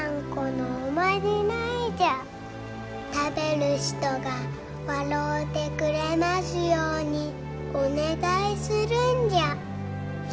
食べる人が笑うてくれますようにお願いするんじゃ。